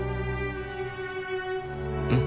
うん。